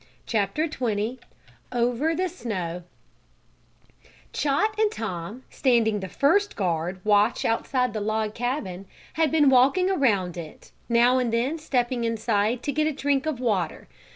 CHAPTER XX OVER THE SNOW Chot and Tom, standing the first guard watch outside the log cabin, had been walking around it, now and then stepping inside to get a drink of water.